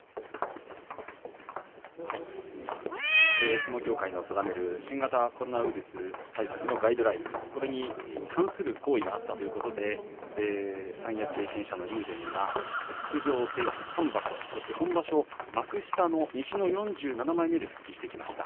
相撲協会の定める新型コロナウイルス対策のガイドライン、これに反する行為があったということで三役経験者の竜電が出場停止３場所、そして今場所、幕下の西の４７枚目で復帰してきました。